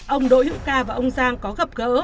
ông đỗ hữu ca và ông giang có gặp gỡ